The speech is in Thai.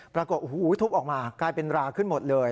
ปรากฏโอ้โหทุบออกมากลายเป็นราขึ้นหมดเลย